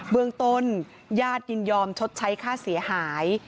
เมืองต้นญาติยินยอมชดใช้ค่าเสียหาย